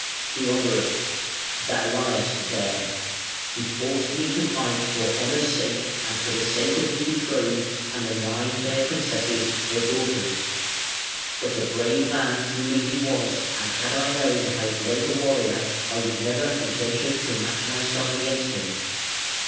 Theodoric: "Thou liest there. He forced me, to fight for honour's sake and for the sake of his betrothed and the nine fair princesses, her daughters. But a brave man truly he was, and had I known how great a warrior I would never have ventured to match myself against him".